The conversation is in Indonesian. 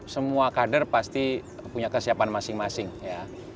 semua kader pasti punya kesiapan masing masing ya